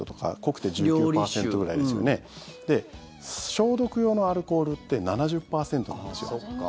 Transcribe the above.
消毒用のアルコールって７０％なんですよ。